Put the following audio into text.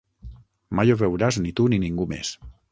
Mai ho veuràs ni tu ni ningú més.